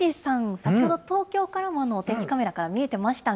先ほど東京からも、お天気カメラから見えてましたが。